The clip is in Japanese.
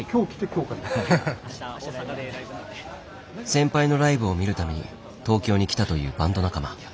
先輩のライブを見るために東京に来たというバンド仲間。